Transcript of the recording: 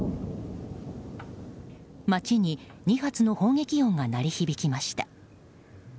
街に２発の砲撃音が鳴り響きました。